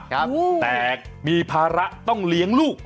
แต่มีภาระต้องเลี้ยงลูก